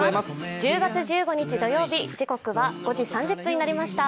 １０月１５日、土曜日、時刻は５時３０分になりました。